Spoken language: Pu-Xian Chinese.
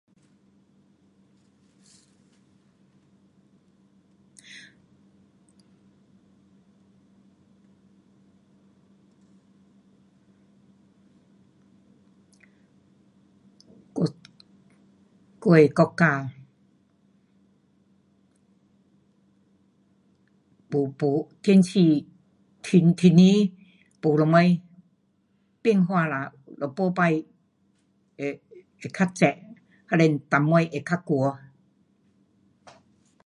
。。。我，我的国家。没，没，天气，天气没什么变化啦。了没，起会，会较热。还是到尾会较寒。